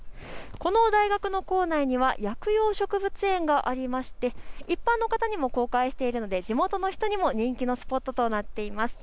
この大学の構内には薬用植物園がありまして一般の方にも公開しているので地元の人にも人気のスポットとなっています。